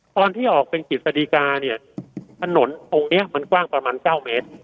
ตอนที่ออกเป็นกฤษฎีกาเนี่ยถนนองค์นี้มันกว้างประมาณ๙เมตร